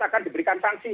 akan diberikan sanksi